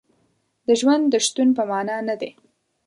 د ژوند د شتون په معنا نه دی.